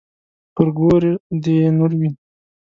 پر ګور دې يې نور وي.